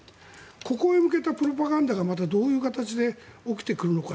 ここへ向けたプロパガンダがどういう形で起きてくるのか。